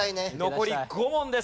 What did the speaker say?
残り５問です。